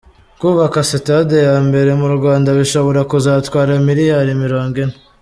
Kubaka sitade ya mbere mu Rwanda bishobora kuzatwara miliyari mirongo ine